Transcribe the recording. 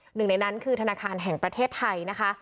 หนึ่งในนั้นคือธนาคารแห่งประเทศไทยนะคะ